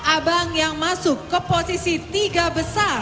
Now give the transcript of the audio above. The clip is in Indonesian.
abang yang masuk ke posisi tiga besar